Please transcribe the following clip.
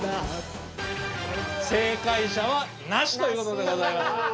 正解者はなしということでございます。